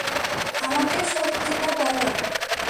আমাকে সত্যিটা বলো।